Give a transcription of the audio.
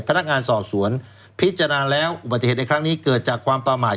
พนักงานสอบสวนพิจารณาแล้วอุบัติเหตุในครั้งนี้เกิดจากความประมาท